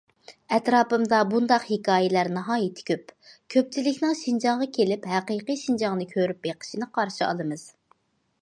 ئەتراپىمدا بۇنداق ھېكايىلەر ناھايىتى كۆپ، كۆپچىلىكنىڭ شىنجاڭغا كېلىپ ھەقىقىي شىنجاڭنى كۆرۈپ بېقىشىنى قارشى ئالىمىز.